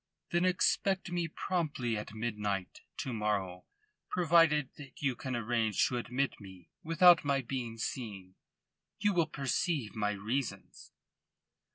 "Then expect me promptly at midnight to morrow, provided that you can arrange to admit me without my being seen. You will perceive my reasons."